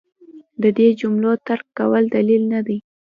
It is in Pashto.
د دې کلمو ترک کول دلیل نه لري.